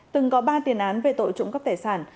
từng có ba tiền án về tội trụng cấp tài sản